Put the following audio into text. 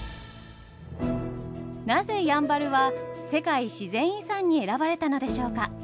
なぜやんばるは世界自然遺産に選ばれたのでしょうか？